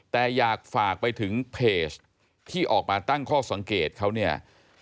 แต่อยากฝากไปถึงเพจที่ออกมาตั้งข้อสังเกตเขาเนี่ย